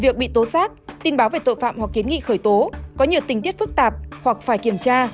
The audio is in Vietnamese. việc bị tố xác tin báo về tội phạm hoặc kiến nghị khởi tố có nhiều tình tiết phức tạp hoặc phải kiểm tra